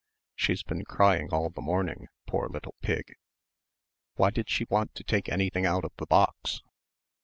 She's been crying all the morning, poor little pig." "Why did she want to take anything out of the box?"